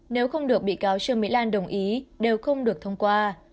nếu không được bị cáo trương mỹ lan đồng ý đều không được thông qua